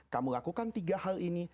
kamu lakukan tiga hal ini